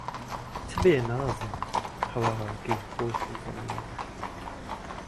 چ بێ نازن، هەوارگەی خۆش و زەنوێر